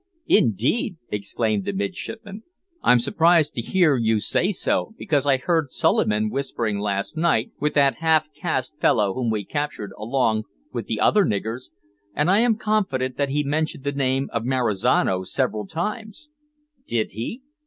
"Indeed!" exclaimed the midshipman; "I'm surprised to hear you say so, because I heard Suliman whispering last night with that half caste fellow whom we captured along with the other niggers, and I am confident that he mentioned the name of Marizano several times." "Did he?